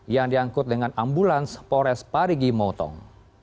yang diangkut dengan ambulans pores parigi motong